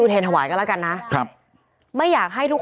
ก็เป็นสถานที่ตั้งมาเพลงกุศลศพให้กับน้องหยอดนะคะ